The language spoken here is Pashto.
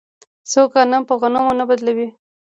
څوک غنم په غنمو نه بدلوي.